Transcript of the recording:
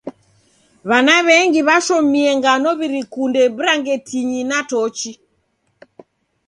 W'ana w'engi w'ashomie ngano w'irikunde brangetinyi na tochi.